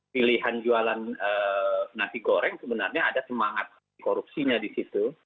pilihan jualan nasi goreng sebenarnya ada semangat korupsinya di situ